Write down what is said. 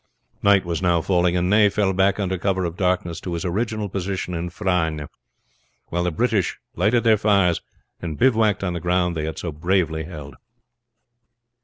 Night was now falling, and Ney fell back under cover of darkness to his original position in Frasnes; while the British lighted their fires, and bivouacked on the ground they had so bravely held.